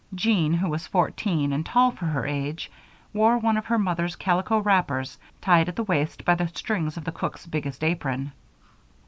Jean, who was fourteen, and tall for her age, wore one of her mother's calico wrappers tied in at the waist by the strings of the cook's biggest apron.